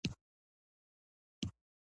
قلم د ښو عملونو پیغام رسوي